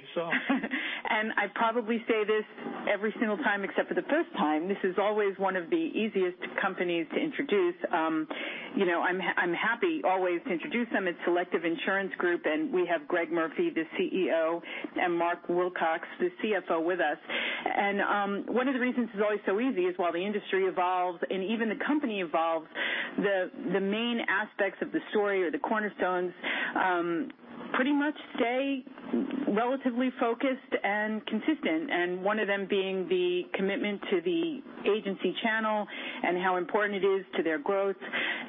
I believe so. I probably say this every single time, except for the first time, this is always one of the easiest companies to introduce. I am happy always to introduce them. It is Selective Insurance Group. We have Greg Murphy, the CEO, and Mark Wilcox, the CFO, with us. One of the reasons it is always so easy is while the industry evolves, and even the company evolves, the main aspects of the story, or the cornerstones, pretty much stay relatively focused and consistent. One of them being the commitment to the agency channel and how important it is to their growth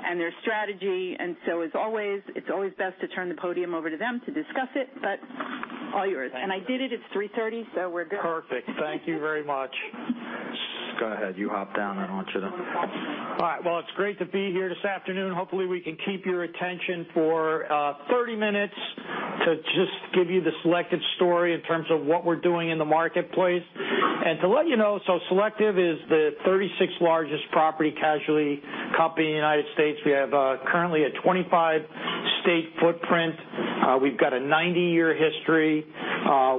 and their strategy. As always, it is always best to turn the podium over to them to discuss it. All yours. Thank you. I did it at 3:30 P.M., so we are good. Perfect. Thank you very much. Go ahead. You hop down. All right. It's great to be here this afternoon. Hopefully, we can keep your attention for 30 minutes to just give you the Selective story in terms of what we're doing in the marketplace. To let you know, Selective is the 36th largest property casualty company in the U.S. We have currently a 25-state footprint. We've got a 90-year history.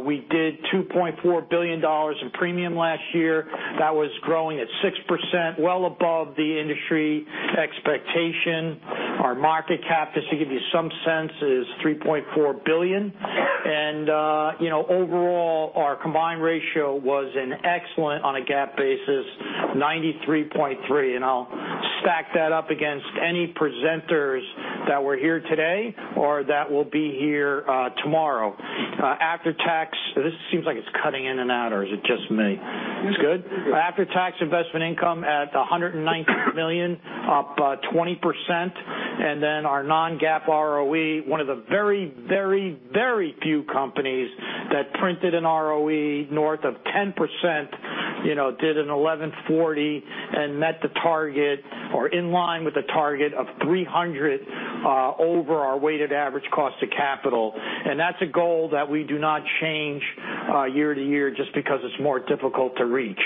We did $2.4 billion in premium last year. That was growing at 6%, well above the industry expectation. Our market cap, just to give you some sense, is $3.4 billion. Overall, our combined ratio was an excellent, on a GAAP basis, 93.3%. I'll stack that up against any presenters that were here today or that will be here tomorrow. This seems like it's cutting in and out, or is it just me? It's good? After-tax investment income at $190 million, up 20%. Our non-GAAP ROE, one of the very few companies that printed an ROE north of 10%, did an 11.4% and met the target, or in line with the target of 300 over our weighted average cost of capital. That's a goal that we do not change year to year just because it's more difficult to reach.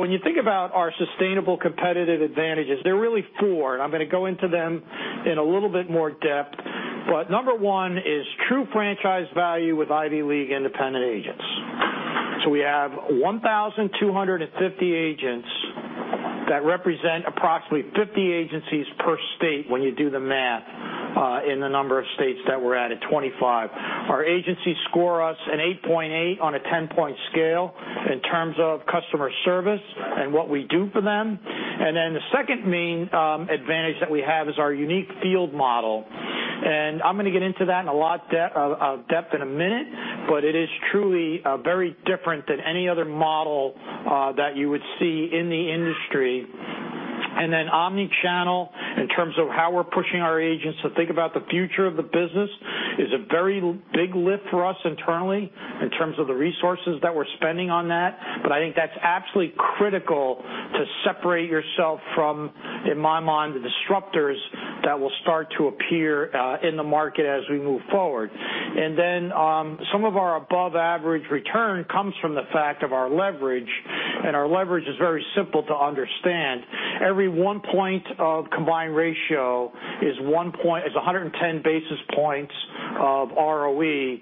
When you think about our sustainable competitive advantages, there are really four, I'm going to go into them in a little bit more depth. Number one is true franchise value with Ivy League independent agents. We have 1,250 agents that represent approximately 50 agencies per state, when you do the math, in the number of states that we're at 25. Our agencies score us an 8.8 on a 10-point scale in terms of customer service and what we do for them. The second main advantage that we have is our unique field model. I'm going to get into that in a lot of depth in a minute, it is truly very different than any other model that you would see in the industry. Omni-channel, in terms of how we're pushing our agents to think about the future of the business, is a very big lift for us internally in terms of the resources that we're spending on that. I think that's absolutely critical to separate yourself from, in my mind, the disruptors that will start to appear in the market as we move forward. Some of our above-average return comes from the fact of our leverage, our leverage is very simple to understand. Every one point of combined ratio is 110 basis points of ROE.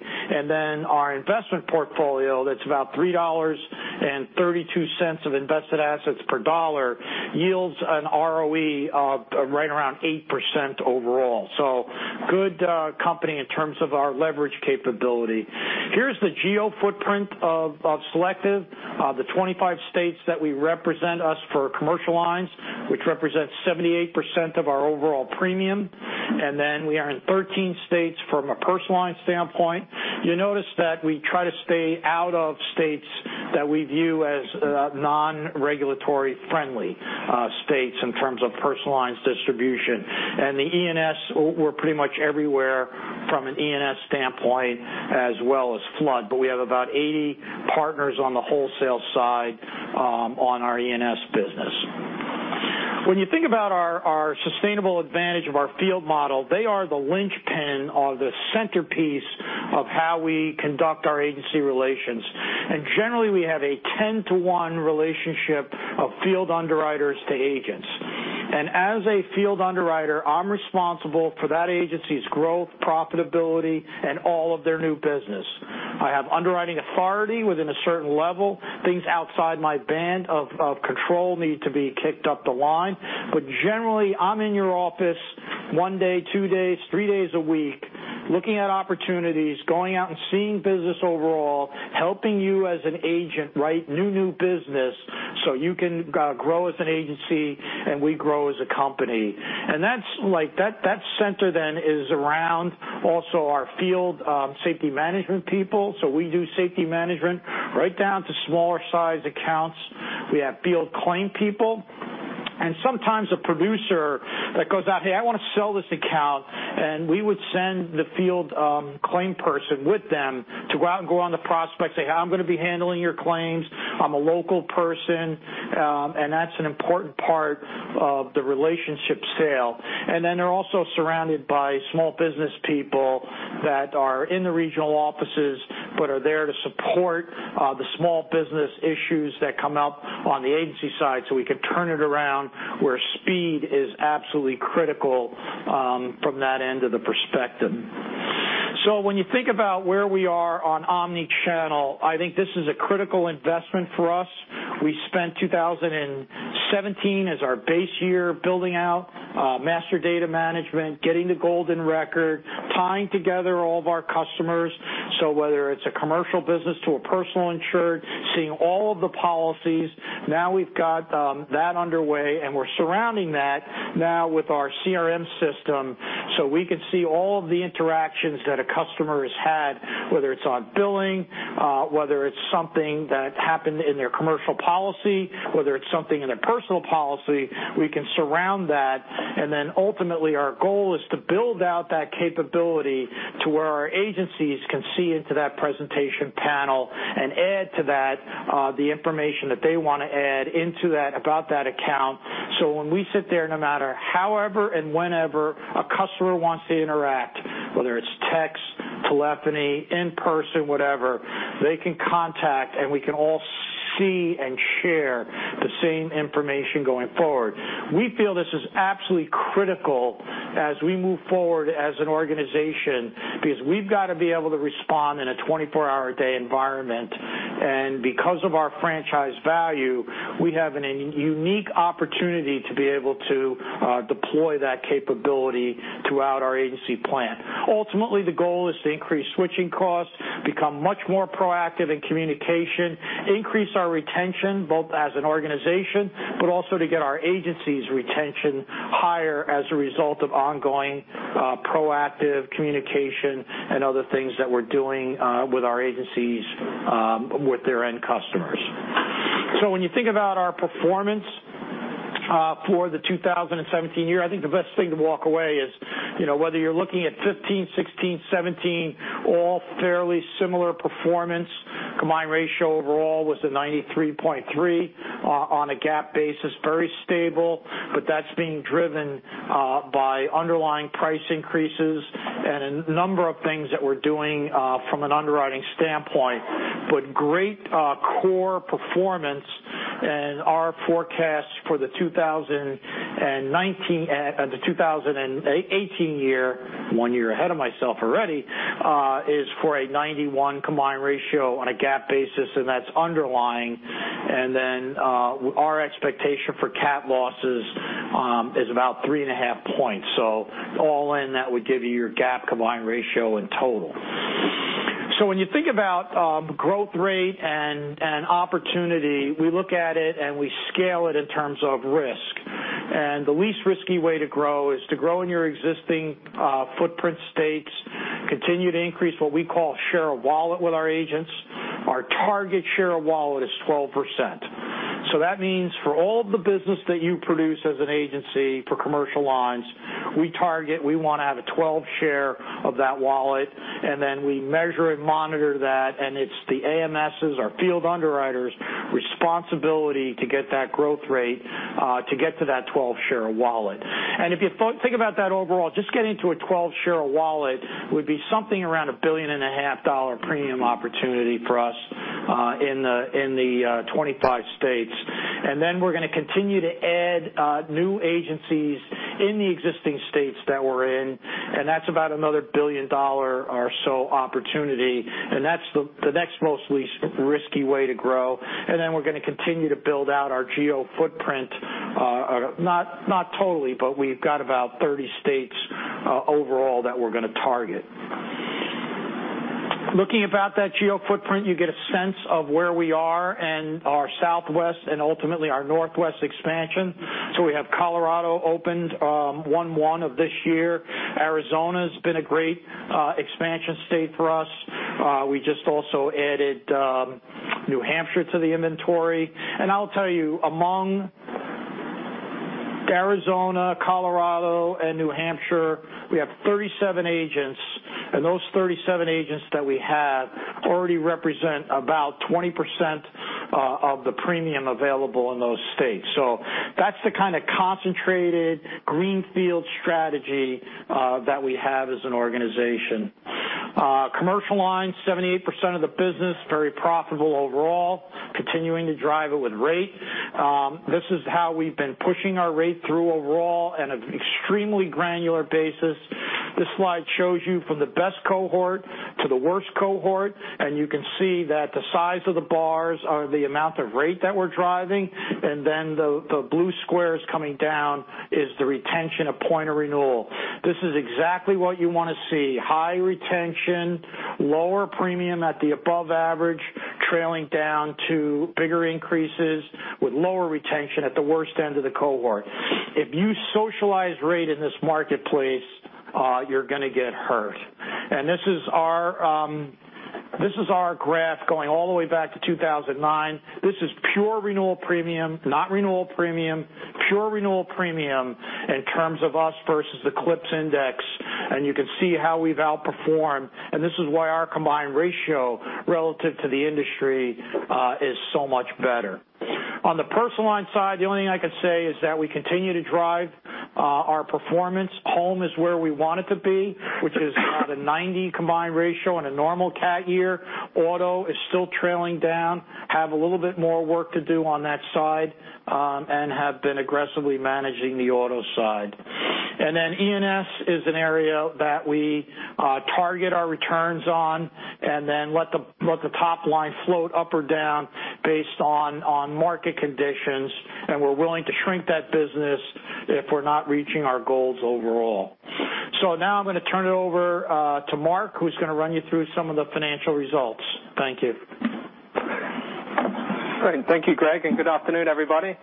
Our investment portfolio, that's about $3.32 of invested assets per dollar, yields an ROE of right around 8% overall. Good company in terms of our leverage capability. Here's the geo footprint of Selective, the 25 states that we represent us for commercial lines, which represents 78% of our overall premium. We are in 13 states from a personal lines standpoint. You notice that we try to stay out of states that we view as non-regulatory friendly states in terms of personal lines distribution. The E&S, we're pretty much everywhere from an E&S standpoint as well as flood. We have about 80 partners on the wholesale side on our E&S business. When you think about our sustainable advantage of our field model, they are the linchpin or the centerpiece of how we conduct our agency relations. Generally, we have a 10-to-1 relationship of field underwriters to agents. As a field underwriter, I'm responsible for that agency's growth, profitability, and all of their new business. I have underwriting authority within a certain level. Things outside my band of control need to be kicked up the line. Generally, I'm in your office 1 day, 2 days, 3 days a week, looking at opportunities, going out and seeing business overall, helping you as an agent write new business so you can grow as an agency, and we grow as a company. That center then is around also our field safety management people. We do safety management right down to smaller-sized accounts. We have field claim people. Sometimes a producer that goes out, "Hey, I want to sell this account," and we would send the field claim person with them to go out and go on the prospect, say, "I'm going to be handling your claims. I'm a local person." That's an important part of the relationship sale. They're also surrounded by small business people that are in the regional offices but are there to support the small business issues that come up on the agency side, so we can turn it around where speed is absolutely critical from that end of the perspective. When you think about where we are on omni-channel, I think this is a critical investment for us. We spent 2017 as our base year, building out master data management, getting the golden record, tying together all of our customers. Whether it's a commercial business to a personal insured, seeing all of the policies, now we've got that underway, and we're surrounding that now with our CRM system. We can see all of the interactions that a customer has had, whether it's on billing, whether it's something that happened in their commercial policy, whether it's something in their personal policy, we can surround that. Ultimately, our goal is to build out that capability to where our agencies can see into that presentation panel and add to that the information that they want to add into that, about that account. When we sit there, no matter however and whenever a customer wants to interact, whether it's text, telephony, in person, whatever, they can contact, and we can all see and share the same information going forward. We feel this is absolutely critical as we move forward as an organization, because we've got to be able to respond in a 24-hour-a-day environment. Because of our franchise value, we have a unique opportunity to be able to deploy that capability throughout our agency plan. Ultimately, the goal is to increase switching costs, become much more proactive in communication, increase our retention, both as an organization, but also to get our agency's retention higher as a result of ongoing proactive communication and other things that we're doing with our agencies, with their end customers. When you think about our performance for the 2017 year, I think the best thing to walk away is, whether you're looking at 2015, 2016, 2017, all fairly similar performance. Combined ratio overall was a 93.3 on a GAAP basis. Very stable, but that's being driven by underlying price increases and a number of things that we're doing from an underwriting standpoint. Great core performance and our forecast for the 2018 year, one year ahead of myself already, is for a 91 combined ratio on a GAAP basis, and that's underlying. Our expectation for cat losses is about three-and-a-half points. All in, that would give you your GAAP combined ratio in total. When you think about growth rate and opportunity, we look at it, and we scale it in terms of risk. The least risky way to grow is to grow in your existing footprint states, continue to increase what we call share of wallet with our agents. Our target share of wallet is 12%. That means for all the business that you produce as an agency for commercial lines, we target, we want to have a 12 share of that wallet, and then we measure and monitor that, and it's the AMSs, our field underwriters' responsibility to get that growth rate to get to that 12 share of wallet. If you think about that overall, just getting to a 12 share of wallet would be something around a billion and a half dollar premium opportunity for us in the 25 states. We're going to continue to add new agencies in the existing states that we're in, and that's about another $1 billion or so opportunity. That's the next most least risky way to grow. We're going to continue to build out our geo footprint, not totally, but we've got about 30 states overall that we're going to target. Looking about that geo footprint, you get a sense of where we are and our Southwest and ultimately our Northwest expansion. We have Colorado opened 1/1 of this year. Arizona's been a great expansion state for us. We just also added New Hampshire to the inventory. I'll tell you, among Arizona, Colorado, and New Hampshire, we have 37 agents, and those 37 agents that we have already represent about 20% of the premium available in those states. That's the kind of concentrated greenfield strategy that we have as an organization. Commercial lines, 78% of the business, very profitable overall, continuing to drive it with rate. This is how we've been pushing our rate through overall and extremely granular basis. This slide shows you from the best cohort to the worst cohort, and you can see that the size of the bars are the amount of rate that we're driving, and then the blue squares coming down is the retention of point of renewal. This is exactly what you want to see, high retention, lower premium at the above average, trailing down to bigger increases with lower retention at the worst end of the cohort. If you socialize rate in this marketplace, you're going to get hurt. This is our graph going all the way back to 2009. This is pure renewal premium, not renewal premium, pure renewal premium in terms of us versus the CLIPS index. You can see how we've outperformed, and this is why our combined ratio relative to the industry is so much better. On the personal lines side, the only thing I can say is that we continue to drive our performance. Home is where we want it to be, which is about a 90 combined ratio on a normal cat year. Auto is still trailing down, have a little bit more work to do on that side, and have been aggressively managing the auto side. E&S is an area that we target our returns on and then let the top line float up or down based on market conditions, and we're willing to shrink that business if we're not reaching our goals overall. Now I'm going to turn it over to Mark, who's going to run you through some of the financial results. Thank you. Great. Thank you, Greg, and good afternoon, everybody.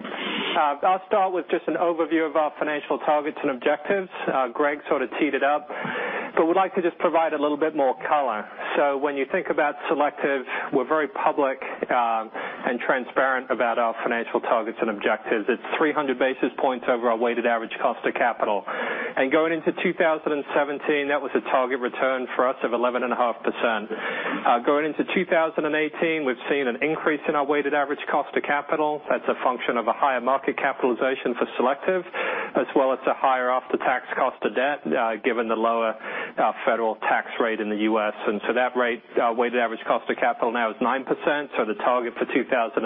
I'll start with just an overview of our financial targets and objectives. Greg sort of teed it up, but would like to just provide a little bit more color. When you think about Selective, we're very public and transparent about our financial targets and objectives. It's 300 basis points over our weighted average cost of capital. Going into 2017, that was a target return for us of 11.5%. Going into 2018, we've seen an increase in our weighted average cost of capital. That's a function of a higher market capitalization for Selective, as well as a higher after-tax cost of debt, given the lower federal tax rate in the U.S. That rate, our weighted average cost of capital now is 9%, so the target for 2018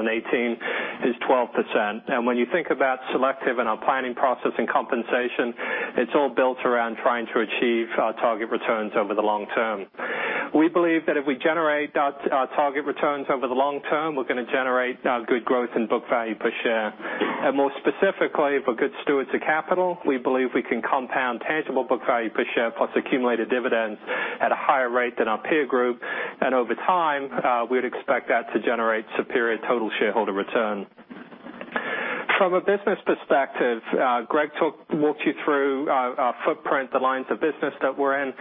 is 12%. When you think about Selective and our planning process and compensation, it's all built around trying to achieve our target returns over the long term. We believe that if we generate our target returns over the long term, we're going to generate good growth in book value per share. More specifically, for good stewards of capital, we believe we can compound tangible book value per share plus accumulated dividends at a higher rate than our peer group. Over time, we'd expect that to generate superior total shareholder return. From a business perspective, Greg walked you through our footprint, the lines of business that we're in.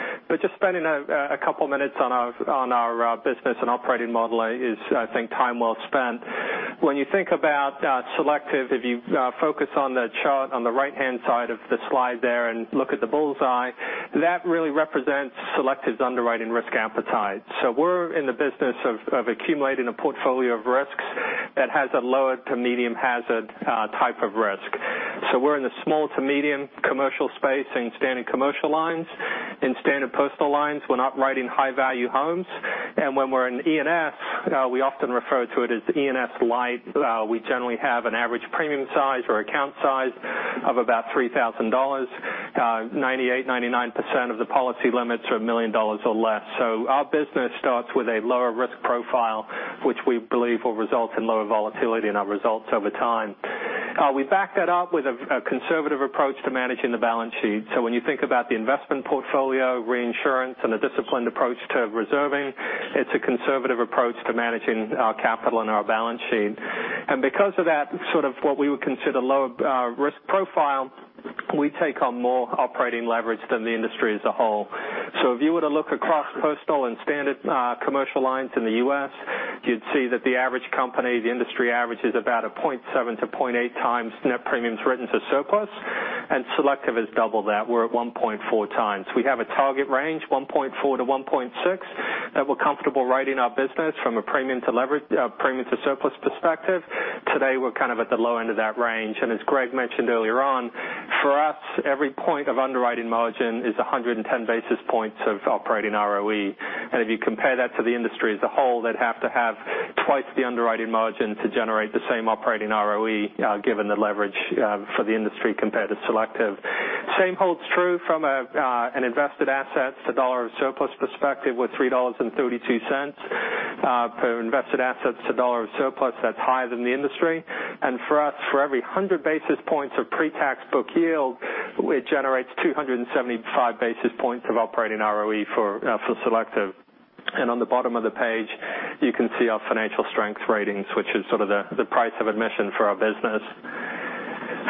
Just spending a couple minutes on our business and operating model is, I think, time well spent. When you think about Selective, if you focus on the chart on the right-hand side of the slide there and look at the bullseye, that really represents Selective's underwriting risk appetite. We're in the business of accumulating a portfolio of risks that has a lower to medium hazard type of risk. We're in the small to medium commercial space in standard commercial lines, in standard personal lines. We're not writing high-value homes. When we're in E&S, we often refer to it as E&S light. We generally have an average premium size or account size of about $3,000. 98%, 99% of the policy limits are $1 million or less. Our business starts with a lower risk profile, which we believe will result in lower volatility in our results over time. We back that up with a conservative approach to managing the balance sheet. When you think about the investment portfolio, reinsurance, and a disciplined approach to reserving, it's a conservative approach to managing our capital and our balance sheet. Because of that, sort of what we would consider low risk profile, we take on more operating leverage than the industry as a whole. If you were to look across personal and standard commercial lines in the U.S., you'd see that the average company, the industry average is about a 0.7 to 0.8 times net premiums written to surplus, and Selective is double that. We're at 1.4 times. We have a target range, 1.4-1.6, that we're comfortable writing our business from a premium to surplus perspective. Today, we're kind of at the low end of that range. As Greg mentioned earlier on, for us, every point of underwriting margin is 110 basis points of operating ROE. If you compare that to the industry as a whole, they'd have to have twice the underwriting margin to generate the same operating ROE, given the leverage for the industry compared to Selective. Same holds true from an invested assets to dollar of surplus perspective with $3.32 per invested assets to dollar of surplus. That's higher than the industry. For us, for every 100 basis points of pre-tax book yield, it generates 275 basis points of operating ROE for Selective. On the bottom of the page, you can see our financial strength ratings, which is sort of the price of admission for our business.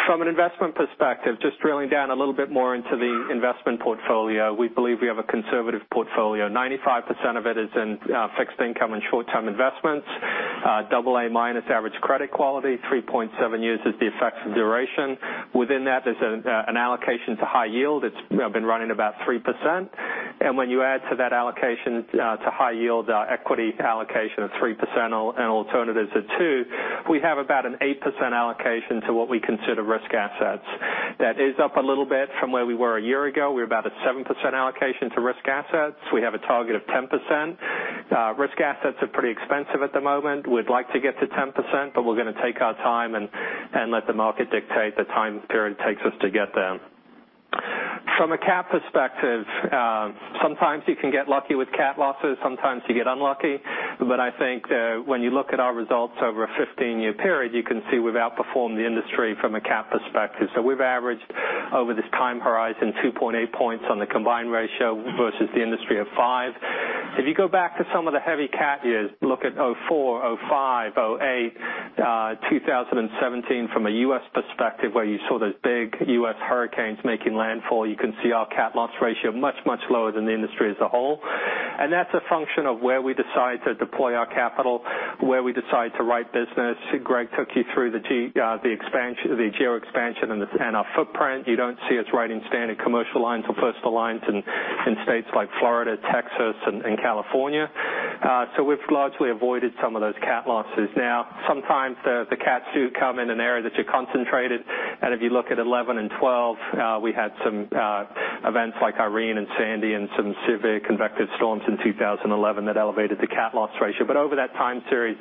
From an investment perspective, just drilling down a little bit more into the investment portfolio, we believe we have a conservative portfolio. 95% of it is in fixed income and short-term investments. AA- average credit quality, 3.7 years is the effective duration. Within that, there's an allocation to high yield. It's been running about 3%. When you add to that allocation to high yield, our equity allocation of 3% and alternatives of 2, we have about an 8% allocation to what we consider risk assets. That is up a little bit from where we were a year ago. We're about a 7% allocation to risk assets. We have a target of 10%. Risk assets are pretty expensive at the moment. We'd like to get to 10%, but we're going to take our time and let the market dictate the time period it takes us to get there. From a cat perspective, sometimes you can get lucky with cat losses, sometimes you get unlucky. I think when you look at our results over a 15-year period, you can see we've outperformed the industry from a cat perspective. We've averaged, over this time horizon, 2.8 points on the combined ratio versus the industry of 5. If you go back to some of the heavy cat years, look at 2004, 2005, 2008, 2017 from a U.S. perspective, where you saw those big U.S. hurricanes making landfall, you can see our cat loss ratio much, much lower than the industry as a whole. That's a function of where we decide to deploy our capital, where we decide to write business. Greg took you through the geo expansion and our footprint. You don't see us writing standard commercial lines or personal lines in states like Florida, Texas, and California. We've largely avoided some of those cat losses. Sometimes the CATs do come in an area that you're concentrated. If you look at 2011 and 2012, we had some events like Hurricane Irene and Hurricane Sandy and some Severe Convective Storms in 2011 that elevated the CAT loss ratio. Over that time series,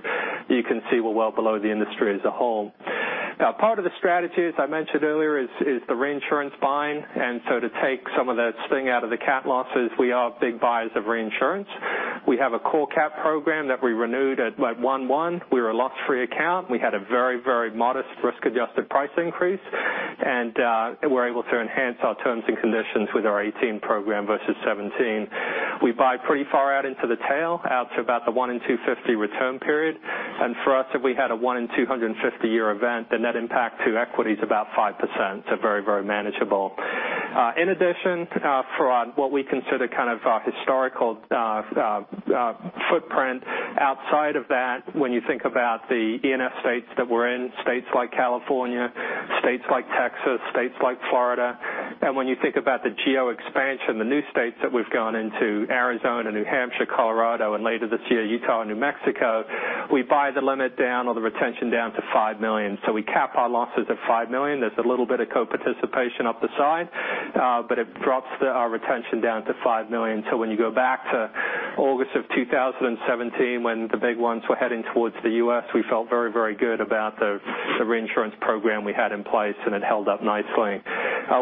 you can see we're well below the industry as a whole. Part of the strategy, as I mentioned earlier, is the reinsurance buying. To take some of the sting out of the CAT losses, we are big buyers of reinsurance. We have a core CAT program that we renewed at like 1/1. We're a loss-free account. We had a very, very modest risk-adjusted price increase, and we're able to enhance our terms and conditions with our 2018 program versus 2017. We buy pretty far out into the tail, out to about the 1 in 250 return period. For us, if we had a 1 in 250 year event, the net impact to equity is about 5%, so very, very manageable. In addition, for what we consider kind of our historical footprint outside of that, when you think about the ENF states that we're in, states like California, states like Texas, states like Florida, and when you think about the geo expansion, the new states that we've gone into, Arizona, New Hampshire, Colorado, and later this year, Utah and New Mexico, we buy the limit down or the retention down to $5 million. We cap our losses at $5 million. There's a little bit of co-participation up the side, but it drops our retention down to $5 million. When you go back to August of 2017, when the big ones were heading towards the U.S., we felt very, very good about the reinsurance program we had in place, and it held up nicely.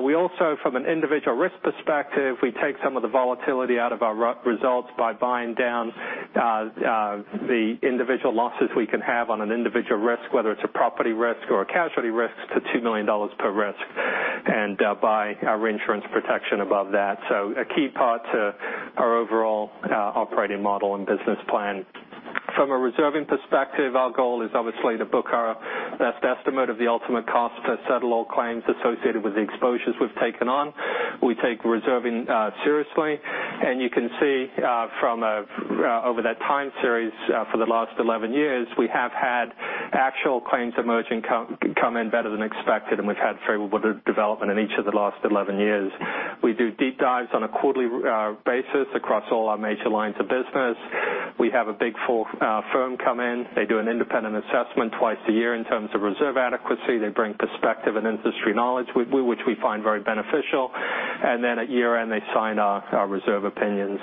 We also, from an individual risk perspective, we take some of the volatility out of our results by buying down the individual losses we can have on an individual risk, whether it's a property risk or a casualty risk, to $2 million per risk and buy our reinsurance protection above that. A key part to our overall operating model and business plan. From a reserving perspective, our goal is obviously to book our best estimate of the ultimate cost to settle all claims associated with the exposures we've taken on. We take reserving seriously, you can see from over that time series for the last 11 years, we've had actual claims emerging come in better than expected, and we've had Favorable Development in each of the last 11 years. We do deep dives on a quarterly basis across all our major lines of business. We have a Big Four firm come in. They do an independent assessment twice a year in terms of reserve adequacy. They bring perspective and industry knowledge, which we find very beneficial. At year-end, they sign our reserve opinions.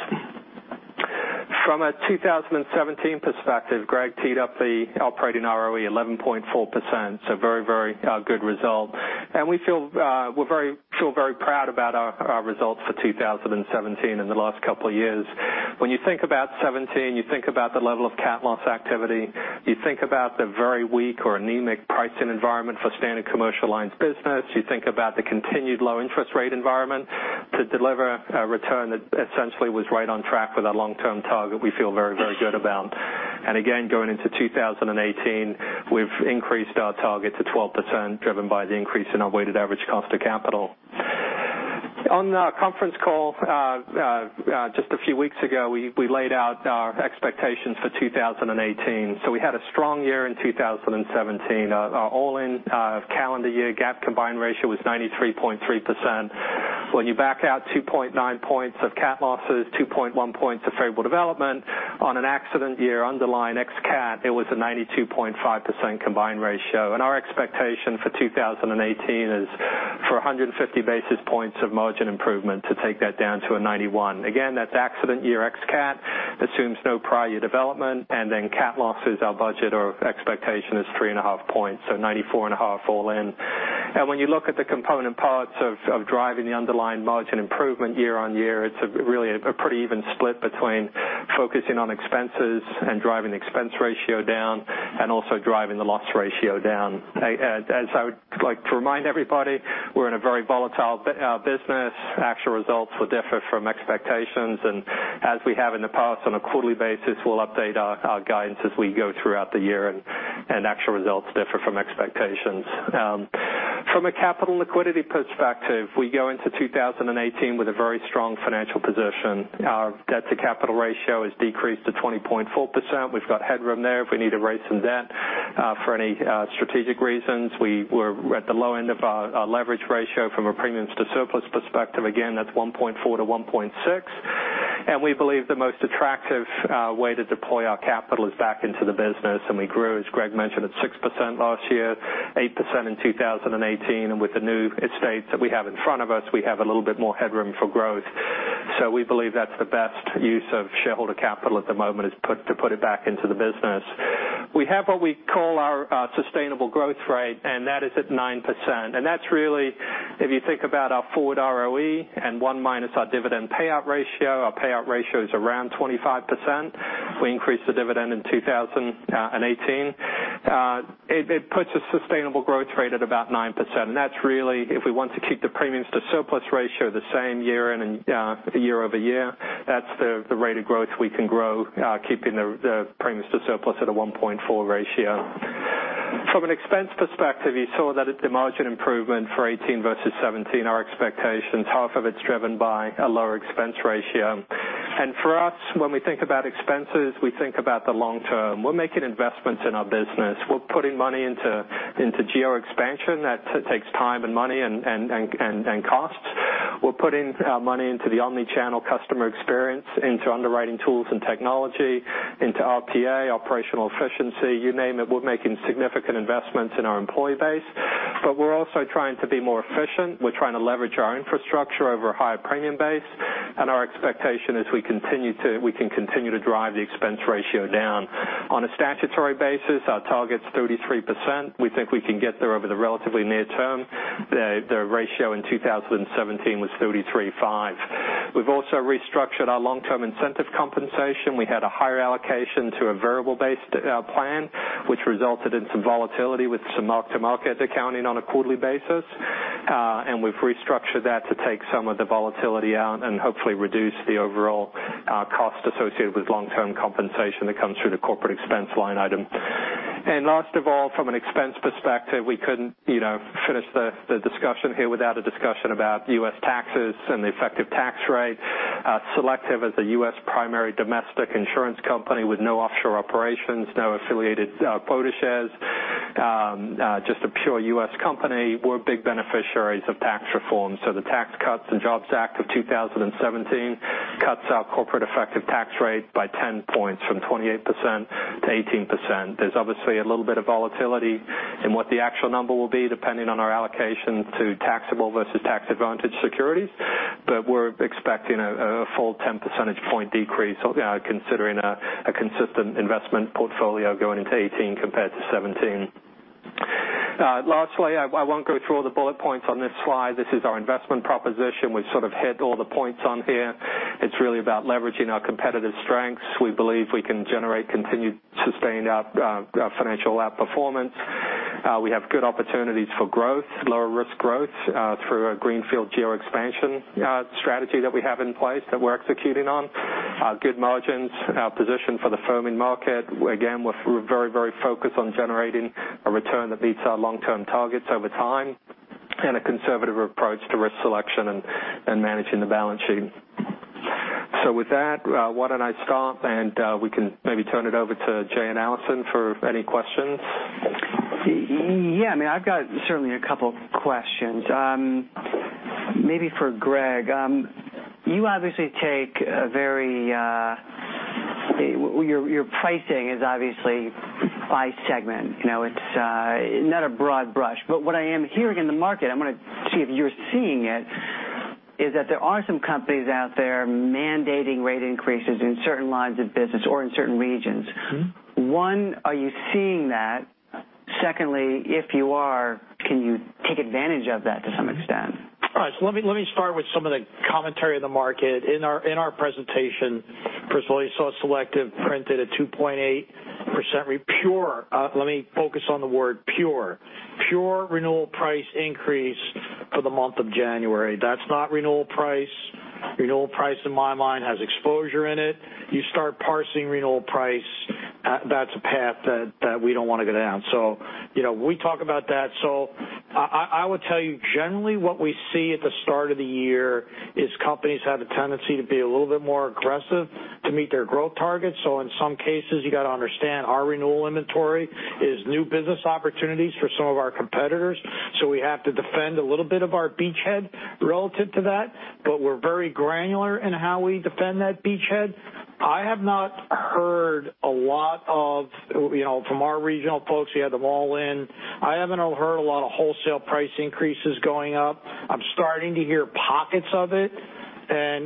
From a 2017 perspective, Greg teed up the Operating ROE 11.4%, very, very good result. We feel very proud about our results for 2017 and the last couple of years. When you think about 2017, you think about the level of CAT loss activity. You think about the very weak or anemic pricing environment for standard commercial lines business. You think about the continued low interest rate environment to deliver a return that essentially was right on track with our long-term target we feel very, very good about. Again, going into 2018, we've increased our target to 12%, driven by the increase in our weighted average cost of capital. On the conference call just a few weeks ago, we laid out our expectations for 2018. We had a strong year in 2017. Our all-in calendar year GAAP combined ratio was 93.3%. When you back out 2.9 points of cat losses, 2.1 points of favorable development on an accident year underlying ex-cat, it was a 92.5% combined ratio. Our expectation for 2018 is for 150 basis points of margin improvement to take that down to a 91%. Again, that's accident year ex-cat assumes no prior year development, then cat losses, our budget or expectation is 3.5 points, so 94.5% all in. When you look at the component parts of driving the underlying margin improvement year-on-year, it's really a pretty even split between focusing on expenses and driving the expense ratio down and also driving the loss ratio down. I would like to remind everybody, we're in a very volatile business. Actual results will differ from expectations, and as we have in the past on a quarterly basis, we'll update our guidance as we go throughout the year, and actual results differ from expectations. From a capital liquidity perspective, we go into 2018 with a very strong financial position. Our debt to capital ratio has decreased to 20.4%. We've got headroom there if we need to raise some debt for any strategic reasons. We're at the low end of our leverage ratio from a premiums to surplus perspective. Again, that's 1.4 to 1.6. We believe the most attractive way to deploy our capital is back into the business. We grew, as Greg mentioned, at 6% last year, 8% in 2018. With the new states that we have in front of us, we have a little bit more headroom for growth. We believe that's the best use of shareholder capital at the moment, is to put it back into the business. We have what we call our sustainable growth rate, and that is at 9%. That's really if you think about our forward ROE and one minus our dividend payout ratio, our payout ratio is around 25%. We increase the dividend in 2018. It puts a sustainable growth rate at about 9%, that's really if we want to keep the premiums to surplus ratio the same year-over-year, that's the rate of growth we can grow keeping the premiums to surplus at a 1.4 ratio. From an expense perspective, you saw that the margin improvement for 2018 versus 2017, our expectations, half of it's driven by a lower expense ratio. For us, when we think about expenses, we think about the long-term. We're making investments in our business. We're putting money into geo expansion. That takes time and money and costs. We're putting money into the omni-channel customer experience, into underwriting tools and technology, into RPA, operational efficiency, you name it. We're making significant investments in our employee base. We're also trying to be more efficient. We're trying to leverage our infrastructure over a higher premium base. Our expectation is we can continue to drive the expense ratio down. On a statutory basis, our target's 33%. We think we can get there over the relatively near term. The ratio in 2017 was 33.5. We've also restructured our long-term incentive compensation. We had a higher allocation to a variable-based plan, which resulted in some volatility with some mark-to-market accounting on a quarterly basis. We've restructured that to take some of the volatility out and hopefully reduce the overall cost associated with long-term compensation that comes through the corporate expense line item. Last of all, from an expense perspective, we couldn't finish the discussion here without a discussion about U.S. taxes and the effective tax rate. Selective is a U.S. primary domestic insurance company with no offshore operations, no affiliated quota shares, just a pure U.S. company. We're big beneficiaries of tax reform. The Tax Cuts and Jobs Act of 2017 cuts our corporate effective tax rate by 10 points from 28% to 18%. There's obviously a little bit of volatility in what the actual number will be, depending on our allocation to taxable versus tax advantage securities. We're expecting a full 10 percentage point decrease considering a consistent investment portfolio going into 2018 compared to 2017. Lastly, I won't go through all the bullet points on this slide. This is our investment proposition. We've sort of hit all the points on here. It's really about leveraging our competitive strengths. We believe we can generate continued sustained financial outperformance. We have good opportunities for growth, lower risk growth, through our greenfield geo expansion strategy that we have in place that we're executing on. Good margins, our position for the firming market. Again, we're very focused on generating a return that beats our long-term targets over time, and a conservative approach to risk selection and managing the balance sheet. With that, why don't I stop, and we can maybe turn it over to Jay and Allison for any questions. Yeah. I've got certainly a couple questions. Maybe for Greg. You obviously take your pricing is obviously by segment. It's not a broad brush. What I am hearing in the market, I want to see if you're seeing it, is that there are some companies out there mandating rate increases in certain lines of business or in certain regions. 1, are you seeing that? Secondly, if you are, can you take advantage of that to some extent? All right. Let me start with some of the commentary of the market. In our presentation, first of all, you saw Selective printed a 2.8% pure, let me focus on the word pure renewal price increase for the month of January. That's not renewal price. Renewal price in my mind has exposure in it. You start parsing renewal price, that's a path that we don't want to go down. We talk about that. I will tell you, generally what we see at the start of the year is companies have a tendency to be a little bit more aggressive to meet their growth targets. In some cases, you got to understand, our renewal inventory is new business opportunities for some of our competitors. We have to defend a little bit of our beachhead relative to that, we're very granular in how we defend that beachhead. I have not heard a lot of, from our regional folks, you had them all in, I haven't heard a lot of wholesale price increases going up. I'm starting to hear pockets of it,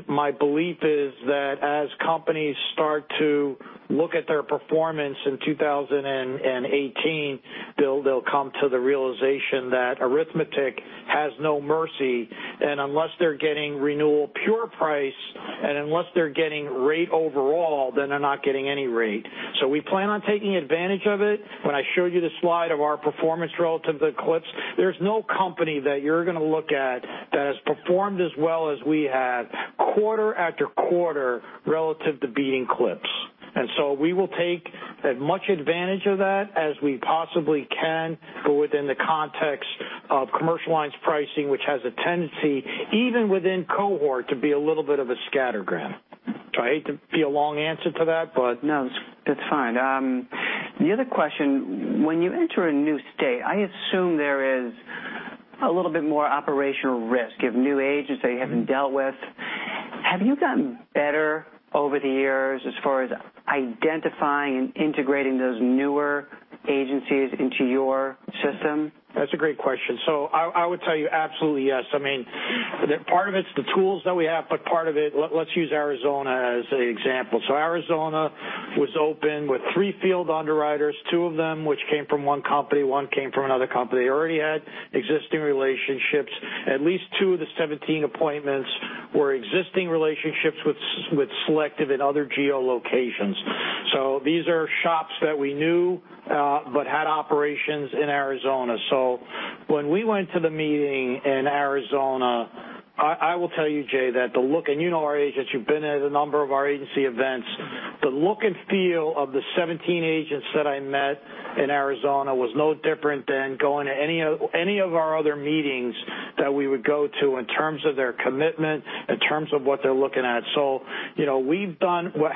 my belief is that as companies start to look at their performance in 2018, they'll come to the realization that arithmetic has no mercy, unless they're getting renewal pure price, unless they're getting rate overall, then they're not getting any rate. We plan on taking advantage of it. When I showed you the slide of our performance relative to CLIPS, there's no company that you're going to look at that has performed as well as we have quarter after quarter relative to beating CLIPS. We will take as much advantage of that as we possibly can, within the context of commercial lines pricing, which has a tendency, even within cohort, to be a little bit of a scattergram. I hate to be a long answer to that. No, that's fine. The other question, when you enter a new state, I assume there is a little bit more operational risk. You have new agents that you haven't dealt with. Have you gotten better over the years as far as identifying and integrating those newer agencies into your system? That's a great question. I would tell you absolutely yes. Part of it's the tools that we have, but part of it, let's use Arizona as an example. Arizona was open with three field underwriters, two of them which came from one company, one came from another company. They already had existing relationships. At least two of the 17 appointments were existing relationships with Selective in other geo locations. These are shops that we knew but had operations in Arizona. When we went to the meeting in Arizona, I will tell you, Jay, that the look, and you know our agents, you've been at a number of our agency events, the look and feel of the 17 agents that I met in Arizona was no different than going to any of our other meetings that we would go to in terms of their commitment, in terms of what they're looking at.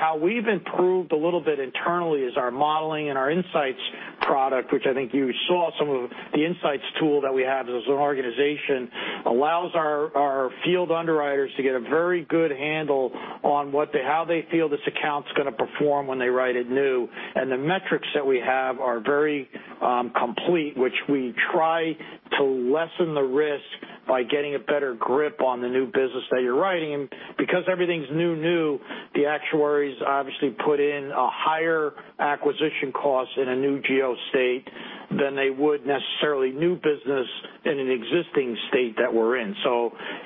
How we've improved a little bit internally is our modeling and our Insights product, which I think you saw some of the Insights tool that we have as an organization, allows our field underwriters to get a very good handle on how they feel this account's going to perform when they write it new. The metrics that we have are very complete, which we try to lessen the risk by getting a better grip on the new business that you're writing. Because everything's new-new, the actuaries obviously put in a higher acquisition cost in a new geo state than they would necessarily new business in an existing state that we're in.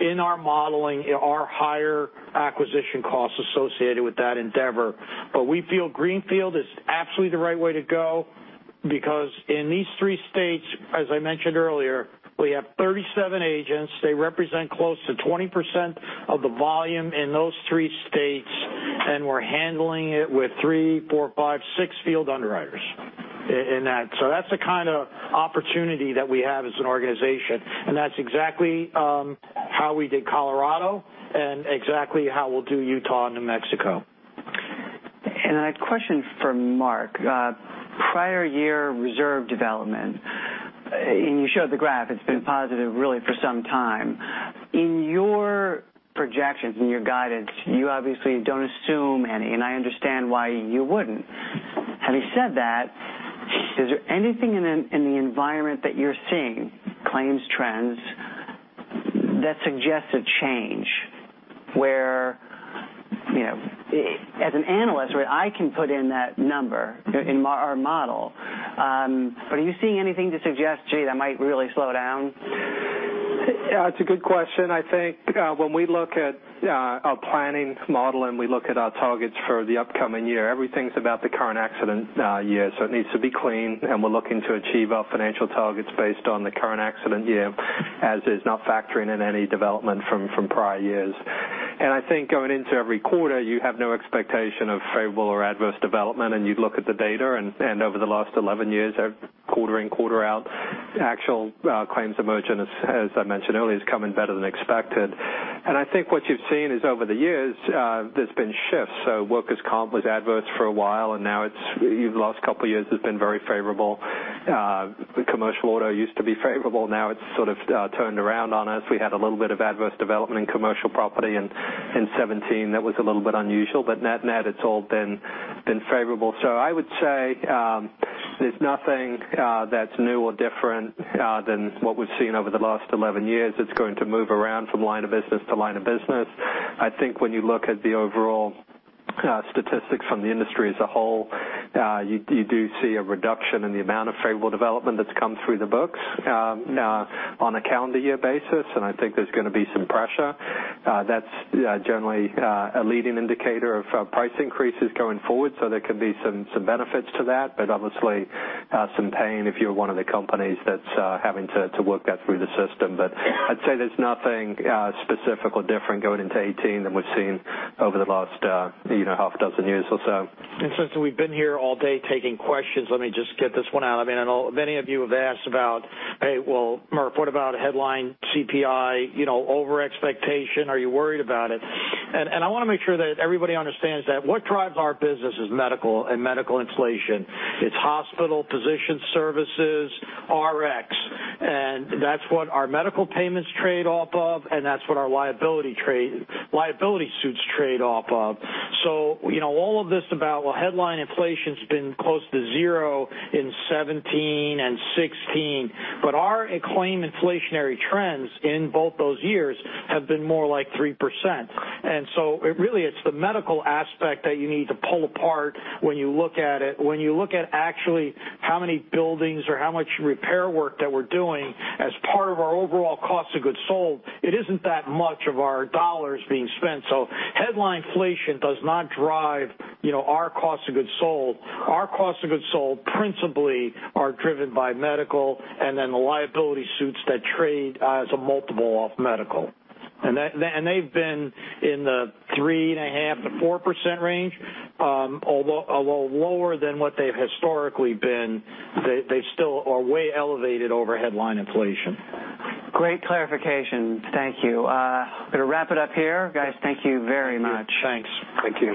In our modeling are higher acquisition costs associated with that endeavor. We feel greenfield is absolutely the right way to go because in these three states, as I mentioned earlier, we have 37 agents. They represent close to 20% of the volume in those three states, and we're handling it with three, four, five, six field underwriters in that. That's the kind of opportunity that we have as an organization, and that's exactly how we did Colorado and exactly how we'll do Utah and New Mexico. I had a question for Mark. Prior year reserve development, you showed the graph, it's been positive really for some time. In your projections, in your guidance, you obviously don't assume any, I understand why you wouldn't. Having said that, is there anything in the environment that you're seeing, claims trends, that suggests a change? Where as an analyst, where I can put in that number in our model. Are you seeing anything to suggest, gee, that might really slow down? It's a good question. I think when we look at our planning model and we look at our targets for the upcoming year, everything's about the current accident year. It needs to be clean, and we're looking to achieve our financial targets based on the current accident year as is not factoring in any development from prior years. I think going into every quarter, you have no expectation of favorable or adverse development, and you'd look at the data. Over the last 11 years, quarter in, quarter out, actual claims emergence, as I mentioned earlier, has come in better than expected. I think what you've seen is over the years, there's been shifts. Workers' comp was adverse for a while, and now the last couple of years has been very favorable. The commercial auto used to be favorable, now it's sort of turned around on us. We had a little bit of adverse development in commercial property in 2017. That was a little bit unusual, but net-net, it's all been favorable. I would say there's nothing that's new or different than what we've seen over the last 11 years. It's going to move around from line of business to line of business. I think when you look at the overall statistics from the industry as a whole, you do see a reduction in the amount of favorable development that's come through the books on a calendar year basis, and I think there's going to be some pressure. That's generally a leading indicator of price increases going forward, so there could be some benefits to that, but obviously, some pain if you're one of the companies that's having to work that through the system. I'd say there's nothing specific or different going into 2018 than we've seen over the last half dozen years or so. Since we've been here all day taking questions, let me just get this one out. I mean, I know many of you have asked about, "Hey, well, Mark, what about headline CPI overexpectation? Are you worried about it?" I want to make sure that everybody understands that what drives our business is medical and medical inflation. It's hospital, physician services, Rx. That's what our medical payments trade off of, and that's what our liability suits trade off of. All of this about, well, headline inflation's been close to zero in 2017 and 2016, but our claim inflationary trends in both those years have been more like 3%. Really, it's the medical aspect that you need to pull apart when you look at it. When you look at actually how many buildings or how much repair work that we're doing as part of our overall cost of goods sold, it isn't that much of our dollars being spent. Headline inflation does not drive our cost of goods sold. Our cost of goods sold principally are driven by medical and then the liability suits that trade as a multiple off medical. They've been in the 3.5%-4% range. Although lower than what they've historically been, they still are way elevated over headline inflation. Great clarification. Thank you. Going to wrap it up here. Guys, thank you very much. Thanks. Thank you.